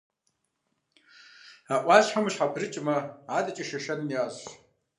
А ӏуащхьэм ущхьэпрыкӏмэ, адэкӏэ Шэшэным ящӏщ.